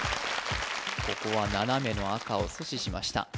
ここは斜めの赤を阻止しました